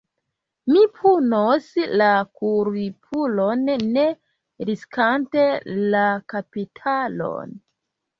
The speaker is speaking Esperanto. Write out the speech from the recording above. Mi punos la kulpulon, ne riskante la kapitalon.